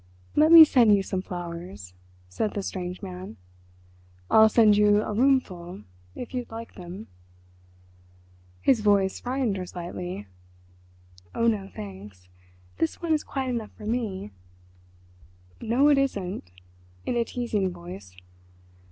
"Let me send you some flowers," said the strange man. "I'll send you a roomful if you'd like them." His voice frightened her slightly. "Oh no, thanks—this one is quite enough for me." "No, it isn't"—in a teasing voice.